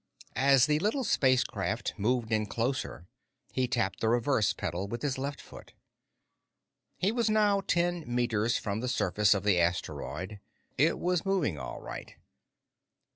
As the little spacecraft moved in closer, he tapped the reverse pedal with his left foot. He was now ten meters from the surface of the asteroid. It was moving, all right.